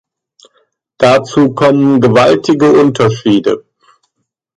Dazu kommen gewaltige Unterschiede.